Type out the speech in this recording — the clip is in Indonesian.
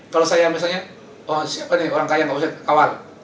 kalau saya misalnya oh siapa nih orang kaya nggak usah khawatir